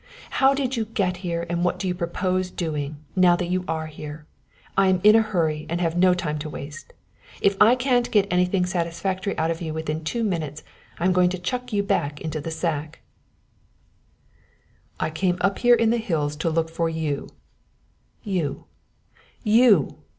How did you get here, and what do you propose doing, now that you are here? I am in a hurry and have no time to waste. If I can't get anything satisfactory out of you within two minutes I'm going to chuck you back into the sack." "I came up here in the hills to look for you you you